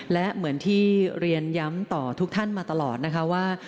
และเหมือนที่เรียนย้ำต่อทุกท่านมาตลอดนะคะว่า